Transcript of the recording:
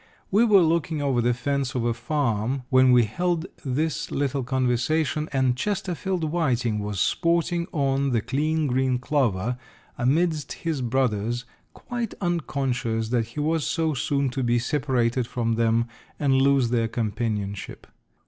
We were looking over the fence of a farm when we held this little conversation, and Chesterfield Whiting was sporting on the clean, green clover, amidst his brothers, quite unconscious that he was so soon to be separated from them and lose their companionship.